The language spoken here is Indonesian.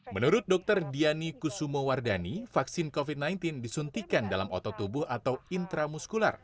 menurut dokter diani kusumo wardani vaksin covid sembilan belas disuntikan dalam otot tubuh atau intramuskular